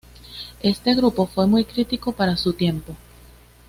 Este grupo fue muy crítico para su tiempo.